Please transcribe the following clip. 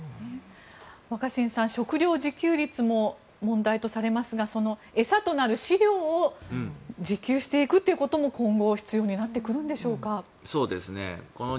若新さん食料自給率も問題とされますが餌となる飼料を自給していくということも今後、必要になってくるんでしょうか。